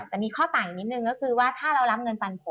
แต่มีข้อต่างอีกนิดนึงก็คือว่าถ้าเรารับเงินปันผล